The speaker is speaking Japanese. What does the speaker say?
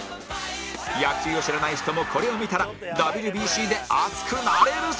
野球を知らない人もこれを見たら ＷＢＣ で熱くなれるぞ！